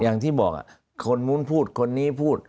อย่างที่บอกคนนู้นพูดคนนี้พูด